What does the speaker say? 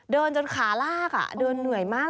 เดินจนขาลากเดินเหนื่อยมาก